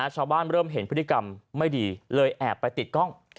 เริ่มเห็นพฤติกรรมไม่ดีเลยแอบไปติดกล้อง